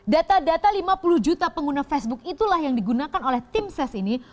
data data lima puluh juta pengguna facebook itulah yang digunakan oleh tim ses ini